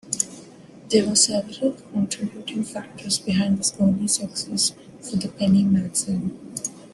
There were several contributing factors behind this early success for "The Penny Magazine".